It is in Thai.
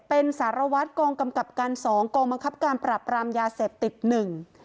เป็นสารวัตรกองกำกับการสองกองบังคับการปรับรามยาเสพติดหนึ่ง